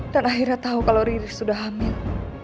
dan akhirnya tahu kalau riris sudah hamil